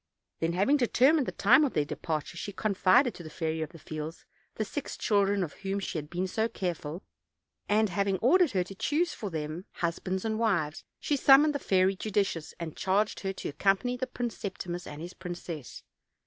Then having determined the time of their departure, she confided to the Fairy of the Fields the six children of whom she had been so careful, and having ordered her to choose for them husbands and wives, she summoned the Fairy Judicious, and charged her to accompany the Prince Septimus and his princess.